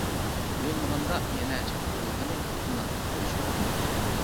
يۇيۇنمىغاندا يەنە چات ئارىلىقىنى يۇقۇملاندۇرۇپ قويۇشىمۇ مۇمكىن.